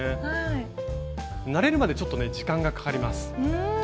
慣れるまでちょっと時間がかかります。